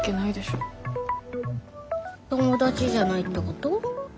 友達じゃないってこと？